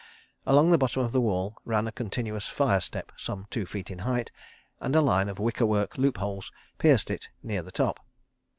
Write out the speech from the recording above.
Along the bottom of the wall ran a continuous fire step, some two feet in height, and a line of wicker work loop holes pierced it near the top.